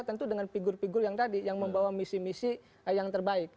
tentu dengan figur figur yang tadi yang membawa misi misi yang terbaik